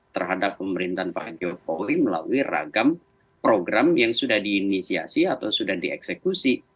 terhadap pemerintahan pak jokowi melalui ragam program yang sudah diinisiasi atau sudah dieksekusi